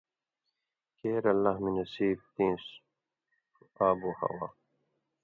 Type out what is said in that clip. کېر اللہ مے نصیب تیں ݜُو آب و ہوا